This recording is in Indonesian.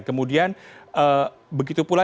kemudian begitu pula